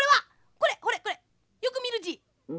これこれこれよくみるじ」。